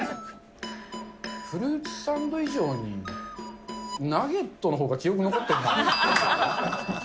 フルーツサンド以上にナゲットのほうが記憶残ってんな。